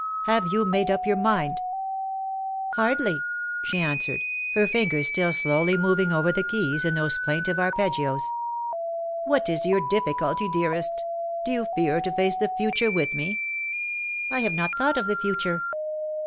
Have you made up your mind ?"'' Hardly/^ she answered, her fingers still slowly moving over the keys in those plaintive arpeggios. " What is your difficulty, dearest ? Do you fear to face the future with me T' '' I have not thought of the future.